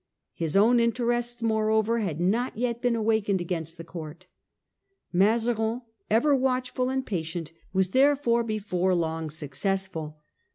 His own interests moreover had not yet been awakened against the court. Mazarin, ever watchful and patient, was therefore before long successful.